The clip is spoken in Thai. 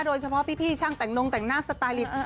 โดยเฉพาะพี่ช่างแต่งนงแต่งหน้าสไตลิต